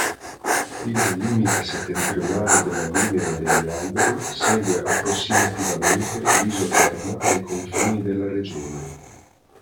Il limite settentrionale della linea degli alberi segue approssimativamente l'isoterma ai confini della regione.